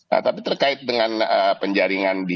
nah tapi terkait dengan penjaringan di